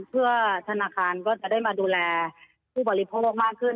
เพื่อธนาคารก็จะได้มาดูแลผู้บริโภคมากขึ้น